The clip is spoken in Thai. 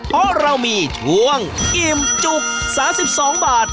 เพราะเรามีช่วงอิ่มจุก๓๒บาท